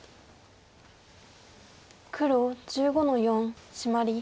黒１５の四シマリ。